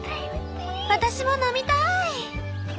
「私も飲みたい」。